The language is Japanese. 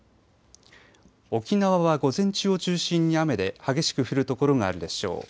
沖縄は午前中を中心に雨で激しく降る所があるでしょう。